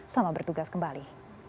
selamat bertugas kembali